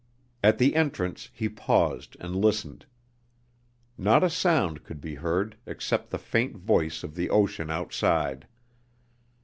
At the entrance he paused and listened. Not a sound could be heard except the faint voice of the ocean outside.